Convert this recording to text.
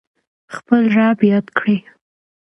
خپل رب یاد کړئ